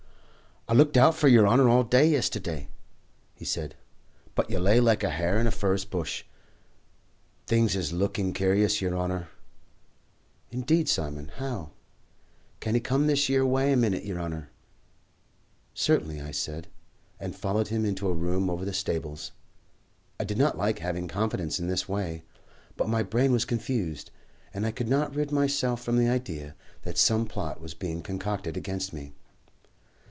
"I looked hout for yer honour all day yesterday," he said, "but you lay like a hare in a furze bush. Things is looking curious, yer honour." "Indeed, Simon. How?" "Can 'ee come this yer way a minit, yer honour?" "Certainly," I said, and followed him into a room over the stables. I did not like having confidences in this way; but my brain was confused, and I could not rid myself from the idea that some plot was being concocted against me.